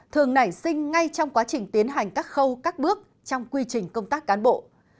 thường nảy sinh ngay trong quá trình tiến hành các khâu các bước trong quy trình công tác cán bộ